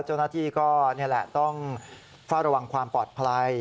เจ้าหน้าที่ก็นี่แหละต้องเฝ้าระวังความปลอดภัย